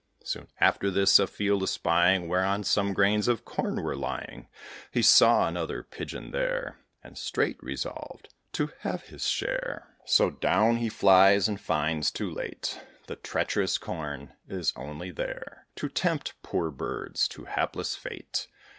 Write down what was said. Soon after this, a field espying, Whereon some grains of corn were lying, He saw another Pigeon there, And straight resolved to have his share. So down he flies, and finds, too late, The treacherous corn is only there To tempt poor birds to hapless fate.